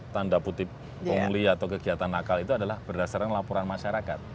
tanda putih kegiatan akal itu adalah berdasarkan laporan masyarakat